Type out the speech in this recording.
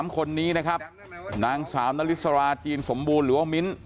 ๓คนนี้นะครับนางสาวนาริสราจีนสมบูรณ์หรือว่ามิ้น